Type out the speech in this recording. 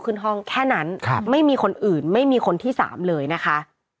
ขึ้นห้องแค่นั้นครับไม่มีคนอื่นไม่มีคนที่สามเลยนะคะ